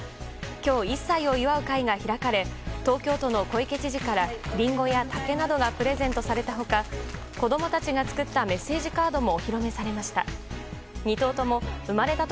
今日、１歳を祝う会が開かれ東京都の小池知事からリンゴや竹などがプレゼントされた他子供たちが作ったメッセージカードもお披露目されました。